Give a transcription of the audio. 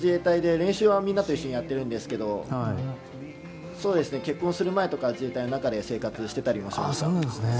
練習はみんなと一緒にやってるんですけど結婚する前とかは自衛隊の中で生活してたりしました。